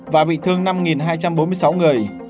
và bị thương năm hai trăm bốn mươi sáu người